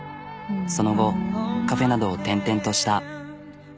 その後カフェなどを転々とした。